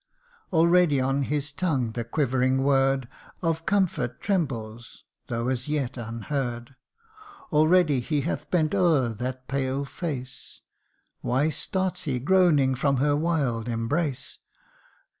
Already on his tongue the quivering word Of comfort trembles, though as yet unheard ; Already he hath bent o'er that pale face : Why starts he, groaning, from her wild embrace